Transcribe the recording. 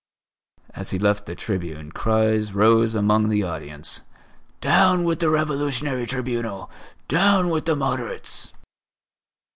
As he left the tribune, cries rose among the audience: "Down with the Revolutionary Tribunal! Down with the Moderates!"